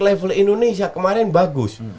level indonesia kemarin bagus